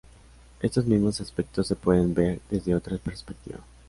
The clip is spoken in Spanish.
Estos mismos aspectos, se pueden ver desde otra perspectiva.